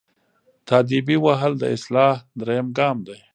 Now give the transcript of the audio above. تاديبي وهل د اصلاح دریم ګام دی.